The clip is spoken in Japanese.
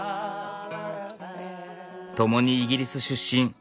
ともにイギリス出身。